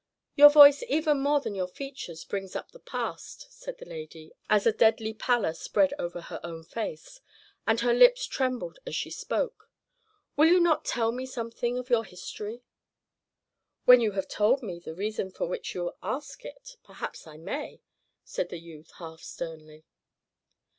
"Your voice even more than your features brings up the past," said the lady, as a deadly pallor spread over her own face, and her lips trembled as she spoke. "Will you not tell me something of your history?" "When you have told me the reason for which you ask it, perhaps I may," said the youth, half sternly.